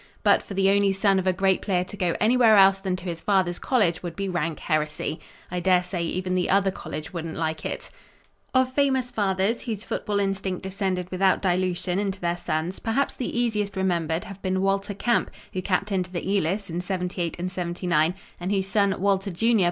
But for the only son of a great player to go anywhere else than to his father's college would be rank heresy. I daresay even the other college wouldn't like it. [Illustration: JUST BOYS] Of famous fathers whose football instinct descended without dilution into their sons perhaps the easiest remembered have been Walter Camp, who captained the Elis in '78 and '79 and whose son, Walter, Jr.